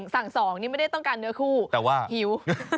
สั่งสองนี่ไม่ได้ต้องการเนื้อคู่หิว